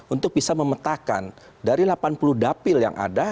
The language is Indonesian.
untuk bisa memetakan dari delapan puluh dapil yang ada